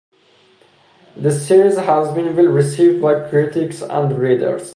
The series has been well received by critics and readers.